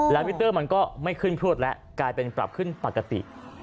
แล้วมิเตอร์มันก็ไม่ขึ้นพลวดแล้วกลายเป็นปรับขึ้นปกติ